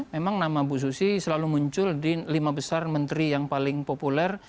memang nama bu susi selalu muncul di lima besar menteri yang paling populer